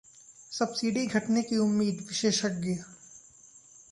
subsidy घटने की उम्मीद: विशेषज्ञ